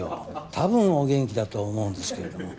多分お元気だと思うんですけれども。